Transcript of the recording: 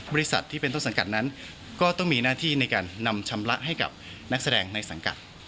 ที่เป็นต้นสังกัดนั้นก็ต้องมีหน้าที่ในการนำชำระให้กับนักแสดงในสังกัด